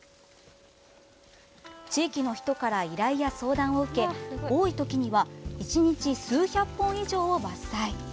地域の人から依頼や相談を受け多い時には１日数百本以上を伐採。